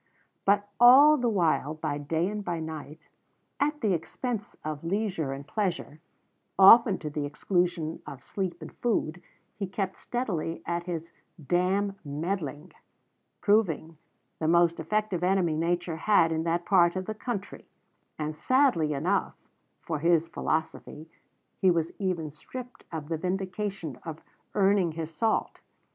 But all the while, by day and by night, at the expense of leisure and pleasure, often to the exclusion of sleep and food, he kept steadily at his "damn meddling," proving the most effective enemy nature had in that part of the country; and sadly enough for his philosophy he was even stripped of the vindication of earning his salt.